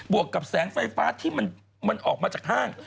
วกกับแสงไฟฟ้าที่มันออกมาจากห้าง